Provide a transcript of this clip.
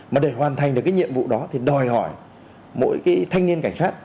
mà để hoàn thành được cái nhiệm vụ đó thì đòi hỏi mỗi cái thanh niên cảnh sát